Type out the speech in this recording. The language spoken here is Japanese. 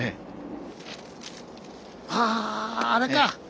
ああれか！